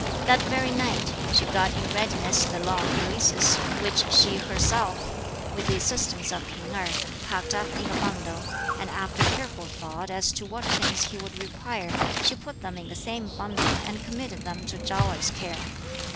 That very night, she got in readiness the long pelisses, which she herself, with the assistance of P'ing Erh, packed up in a bundle; and after careful thought as to what things he would require, she put them in the same bundle and committed them to Chao Erh's care.